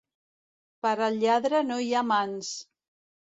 Per al lladre no hi ha mans.